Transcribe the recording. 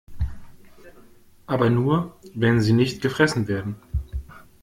Aber nur, wenn sie nicht gefressen werden.